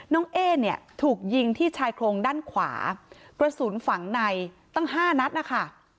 เอ๊เนี่ยถูกยิงที่ชายโครงด้านขวากระสุนฝังในตั้ง๕นัดนะคะ